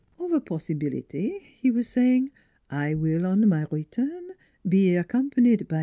" Of a possibility," he was saying, " I will on my return be accompanied by M.